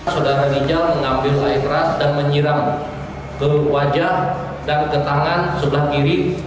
saudara ginjal mengambil air keras dan menyiram ke wajah dan ke tangan sebelah kiri